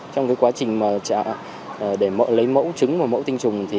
trong quá trình lấy mẫu trứng và mẫu tinh trùng